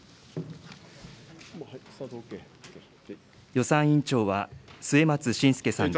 予算委員長は、末松信介さんです。